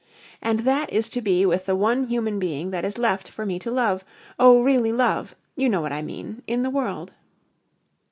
"And that is to be with the one human being that is left for me to love oh, really love you know what I mean in the world."